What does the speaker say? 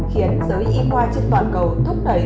khiến giới y hoa trên toàn cầu thúc đẩy